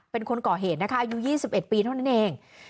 เป็นคนก่อเหตุนะคะอายุ๒๑ปีเท่านั้นเอง